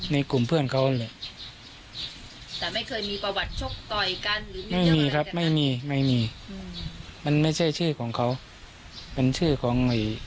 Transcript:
ในกลุ่มเพื่อนเขาเลยแต่ไม่เคยมีประวัติยกันไม่มีครับไม่มีไม่มีมันไม่ใช่ชื่อของเขาชื่อของ